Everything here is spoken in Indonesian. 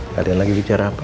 kalian lagi bicara apa